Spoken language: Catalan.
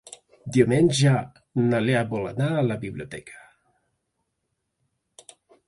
Diumenge na Lea vol anar a la biblioteca.